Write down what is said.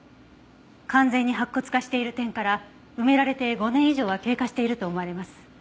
完全に白骨化している点から埋められて５年以上は経過していると思われます。